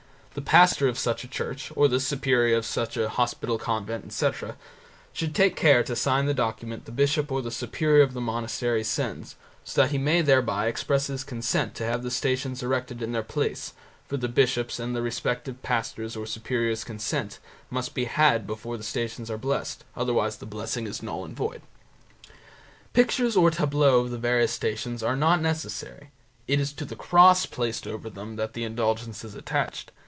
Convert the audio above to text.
The pastor of such a church, or the superior of such a hospital, convent, etc., should take care to sign the document the bishop or the superior of the monastery sends, so that he may thereby express his consent to have the Stations erected in their place, for the bishop's and the respective pastor's or superior's consent must be had before the Stations are blessed, otherwise the blessing is null and void; Pictures or tableaux of the various Stations are not necessary. It is to the cross placed over them that the indulgence is attached.